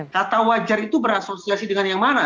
kata wajar itu berasosiasi dengan yang mana